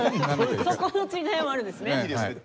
そこの違いもあるんですね。